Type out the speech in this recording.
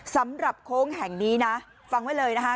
โค้งแห่งนี้นะฟังไว้เลยนะคะ